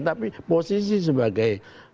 tapi posisi sebagai